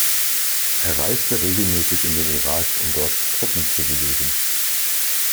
Er reiste regelmäßig in den Irak, um dort Truppen zu besuchen.